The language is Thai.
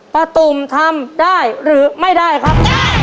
ตุ่มทำได้หรือไม่ได้ครับ